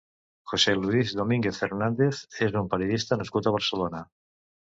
José Luis Domínguez Fernández és un periodista nascut a Barcelona.